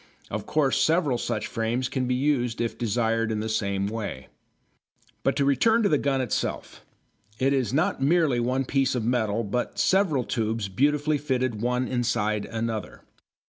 Of course several such frames can be used if desired in the same way. But to return to the gun itself. It is not merely one piece of metal but several tubes beautifully fitted one inside another.